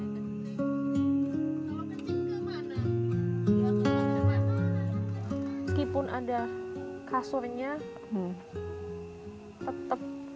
meskipun ada kasurnya tetap